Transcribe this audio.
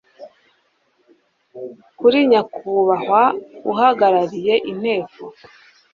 kuri nyakubahwa uhagarariye inteko